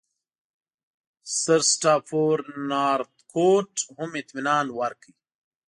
سرسټافورنارتکوټ هم اطمینان ورکړ.